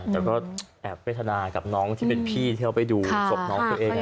แต่ก็แอบเวทนากับน้องที่เป็นพี่ที่เขาไปดูศพน้องตัวเอง